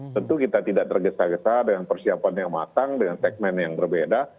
tentu kita tidak tergesa gesa dengan persiapan yang matang dengan segmen yang berbeda